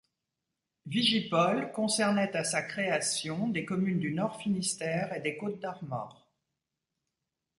Vigipol concernait à sa création des communes du nord Finistère et des Côtes-d'Armor.